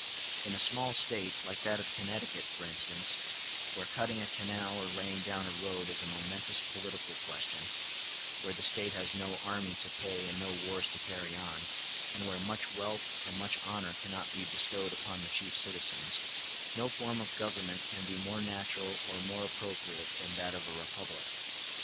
In a small State, like that of Connecticut for instance, where cutting a canal or laying down a road is a momentous political question, where the State has no army to pay and no wars to carry on, and where much wealth and much honor cannot be bestowed upon the chief citizens, no form of government can be more natural or more appropriate than that of a republic.